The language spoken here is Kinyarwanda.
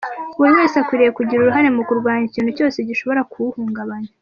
Buri wese akwiriye kugira uruhare mu kurwanya ikintu cyose gishobora kuwuhungabanya."